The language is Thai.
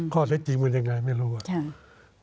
ข้อใส่จริงมันยังไงรู้